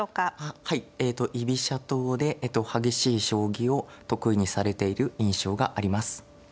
えと居飛車党で激しい将棋を得意にされている印象があります。